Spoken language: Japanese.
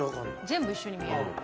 全部一緒に見える。